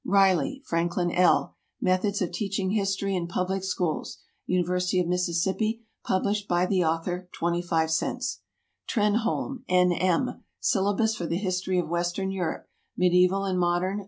RILEY, FRANKLIN L. "Methods of Teaching History in Public Schools." University of Mississippi. Published by the author. 25 cents. TRENHOLME, N. M. "Syllabus for the History of Western Europe (Medieval and Modern)."